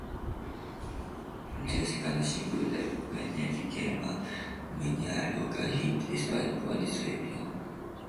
Their second single, "The General," became a minor local hit, despite poor distribution.